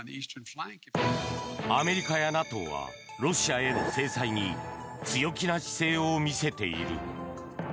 アメリカやＮＡＴＯはロシアへの制裁に強気な姿勢を見せている。